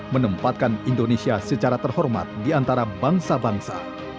menempatkan indonesia secara terhormat di antara bangsa bangsa